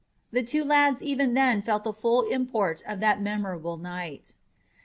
The two lads even then felt the full import of that memorable night.